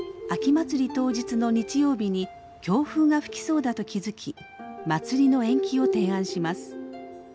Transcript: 当日の日曜日に強風が吹きそうだと気付き祭りの延期を提案します。